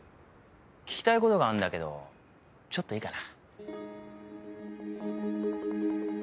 聞きたい事があるんだけどちょっといいかな？